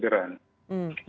tapi menjadi kesadaran